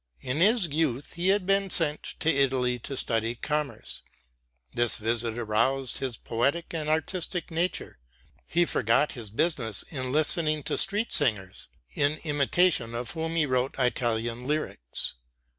In his youth he had been sent to Italy to study commerce. This visit aroused his poetic and artistic nature. He forgot his business in listening to street singers, in imitation of whom he wrote Italian lyrics.